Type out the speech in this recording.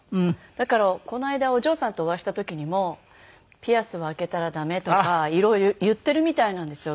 だからこの間お嬢さんとお会いした時にも「ピアスは開けたらダメ」とか言ってるみたいなんですよ。